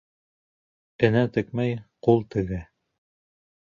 Энә текмәй, ҡул тегә.